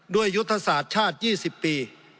ยุทธศาสตร์ชาติ๒๐ปี